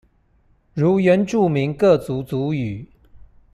如原住民各族族語